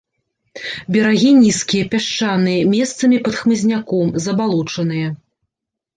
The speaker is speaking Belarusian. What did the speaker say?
Берагі нізкія, пясчаныя, месцамі пад хмызняком, забалочаныя.